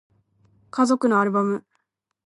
家族のアルバム